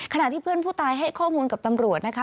ขณะที่เพื่อนผู้ตายให้ข้อมูลกับตำรวจนะคะ